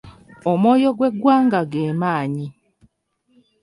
Omwoyo gwe ggwanga ge maanyi.